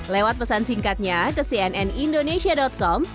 lewat pesan singkatnya ke cnnindonesia com